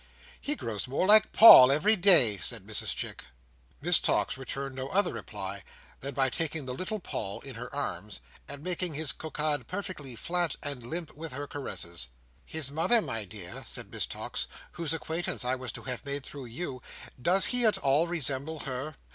"He grows more like Paul every day," said Mrs Chick. Miss Tox returned no other reply than by taking the little Paul in her arms, and making his cockade perfectly flat and limp with her caresses. "His mother, my dear," said Miss Tox, "whose acquaintance I was to have made through you, does he at all resemble her?"